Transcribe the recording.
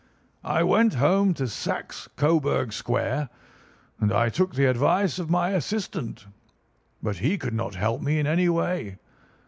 "I went home to Saxe Coburg Square, and I took the advice of my assistant. But he could not help me in any way.